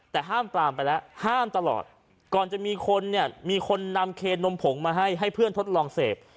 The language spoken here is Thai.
แต่ห้ามปลามไปแล้วห้ามตลอดก่อนจะมีคนเนี่ยมีคนนำเคนนมผงมาให้ให้เพื่อนทดลองเสพ